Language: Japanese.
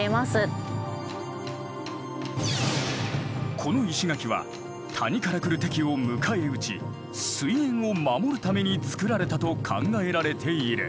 この石垣は谷から来る敵を迎え撃ち水源を守るために造られたと考えられている。